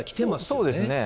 そうですね。